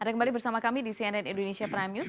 ada kembali bersama kami di cnn indonesia prime news